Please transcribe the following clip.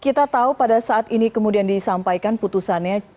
kita tahu pada saat ini kemudian disampaikan putusannya